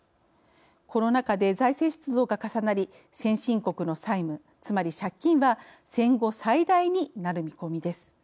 コロナ禍で財政出動が重なり先進国の債務、つまり借金は戦後最大になる見込みです。